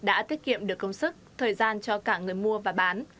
đã tiết kiệm được công sức thời gian cho cả người mua và bán